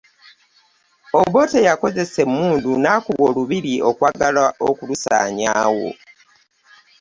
Obote yaakozesa emmundu n'akuba olubiri okwagala okulusaanyaawo.